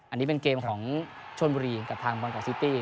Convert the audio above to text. อันนี้เป็นเกมของชนบุรีกับทางบอลกอกซิตี้